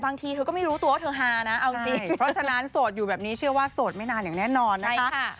เพราะฉะนั้นโสดอยู่แบบนี้เชื้อว่าโสดไม่นานอย่างแน่นอนนะค่ะ